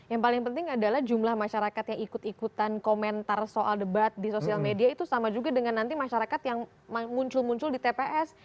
yang paling penting adalah jumlah masyarakat yang ikut ikutan komentar soal debat di sosial media itu sama juga dengan nanti masyarakat yang muncul muncul di tps